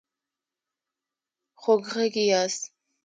خوږغږي ياست